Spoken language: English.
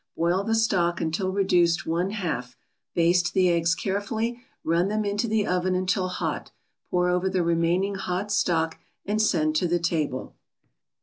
Boil the stock until reduced one half, baste the eggs carefully, run them into the oven until hot, pour over the remaining hot stock and send to the table.